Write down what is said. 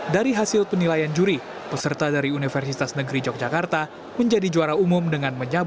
dari hasil penilaian juri peserta dari universitas negeri yogyakarta menjadi juara umum dengan menyebut